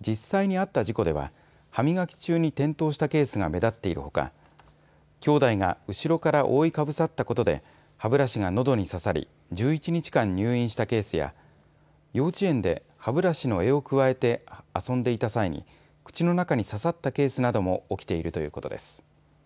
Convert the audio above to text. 実際にあった事故では歯磨き中に転倒したケースが目立っているほかきょうだいが後ろから覆いかぶさったことで歯ブラシがのどに刺さり１１日間入院したケースや幼稚園で歯ブラシの柄をくわえて遊んでいた際に口の中に刺さったケースなども起きているということです。